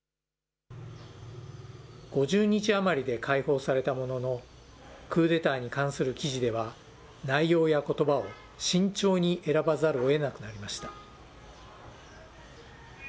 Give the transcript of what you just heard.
５０日余りで解放されたものの、クーデターに関する記事では、内容やことばを慎重に選ばざるをえなくなりました。